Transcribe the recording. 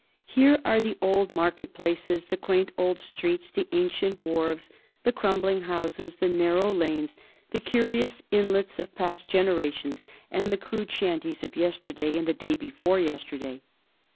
Here are the old market places, the quaint old streets, the ancient wharfs, the crumbling houses, the narrow lanes, the curious in lets, of past generations, and the crude shanties of yester day and the day before yesterday.